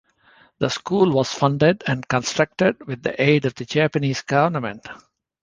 The school was funded and constructed with the aid of the Japanese government.